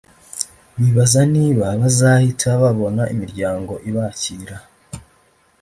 bibaza niba bazahita babona imiryango ibakira